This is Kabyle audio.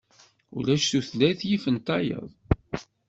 Ulac tutlayt yifen tayeḍ.